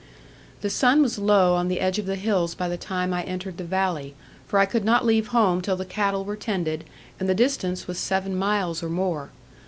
The sun was low on the edge of the hills by the time I entered the valley, for I could not leave home till the cattle were tended, and the distance was seven miles or more.